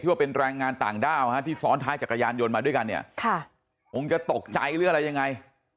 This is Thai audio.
ว่าเป็นแรงงานต่างด้าวที่ซ้อนท้ายจักรยานยนต์มาด้วยกันเนี่ยคงจะตกใจหรืออะไรยังไง